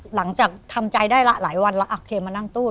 หลังจากทำใจได้ละหลายวันแล้วโอเคมานั่งตู้